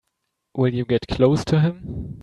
Will you get close to him?